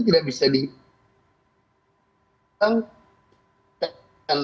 tidak bisa dikaitkan